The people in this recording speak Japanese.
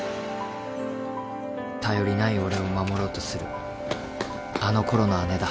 頼りない俺を守ろうとするあの頃の姉だ